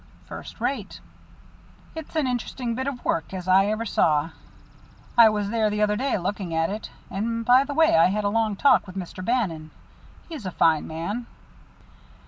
"First rate." "It's as interesting a bit of work as I ever saw. I was there the other day looking at it. And, by the way, I had a long talk with Mr. Bannon. He's a fine man."